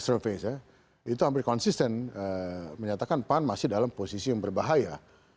survei saya itu hampir konsisten menyatakan pan masih dalam posisi yang berbahaya